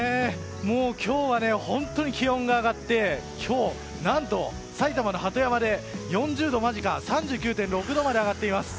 もう今日は本当に気温が上がって今日、何と埼玉の鳩山で４０度間近３９．６度まで上がっています。